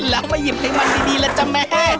แล้วมาหยิบให้มันดีเลยจ้ะแม่